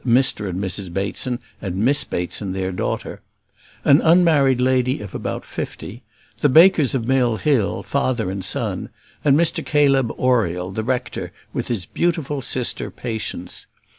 Mr and Mrs Bateson, and Miss Bateson, their daughter an unmarried lady of about fifty; the Bakers of Mill Hill, father and son; and Mr Caleb Oriel, the rector, with his beautiful sister, Patience.